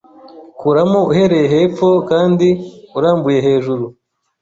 Kuramo uhereye hepfo kandi urambuye hejuru